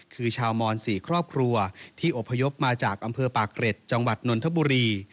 คือชาวมอน๔ครอบครัวที่อบพยพมาจากอำเภอปากเกร็ดจังหวัดนนทบุรี